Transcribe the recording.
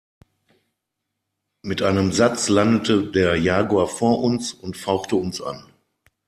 Mit einem Satz landete der Jaguar vor uns und fauchte uns an.